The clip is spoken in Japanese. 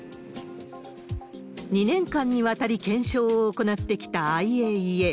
２年間にわたり検証を行ってきたＩＡＥＡ。